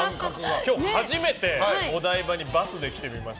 今日、初めてお台場にバスで来てみました。